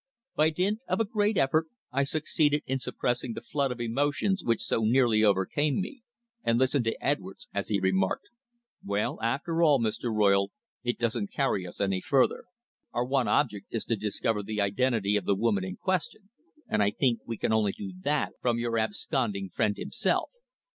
By dint of a great effort I succeeded in suppressing the flood of emotions which so nearly overcame me, and listened to Edwards as he remarked: "Well, after all, Mr. Royle, it doesn't carry us any further. Our one object is to discover the identity of the woman in question, and I think we can only do that from your absconding friend himself.